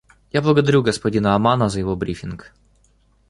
Я благодарю господина Амано за его брифинг.